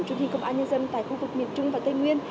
chủ tịch công an nhân dân tại khu vực miền trung và tây nguyên